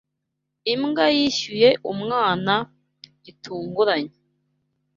Imbwa yishyuye umwana gitunguranye